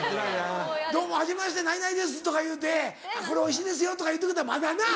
「どうもはじめまして何々です」とか言うて「これおいしいですよ」とか言うてくれたらまだな。